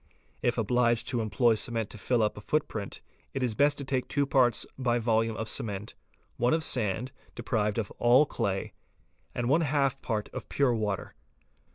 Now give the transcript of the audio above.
If obliged to employ cement to fill up a footprint, it is best to take 2 parts by volume of cement, one of sand (deprived of all clay), and one half part of pure water.